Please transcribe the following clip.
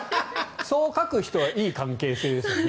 そう書く人はいい関係性ですよね。